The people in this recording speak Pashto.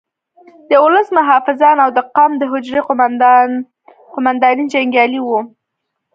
د ولس محافظان او د قوم د حجرې قوماندې جنګیالي وو.